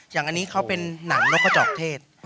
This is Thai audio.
อย่างอันนี้เขาเป็นหนังนกกระจอกเทศ